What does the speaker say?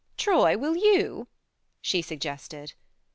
Troy, will you ?" she sug gested.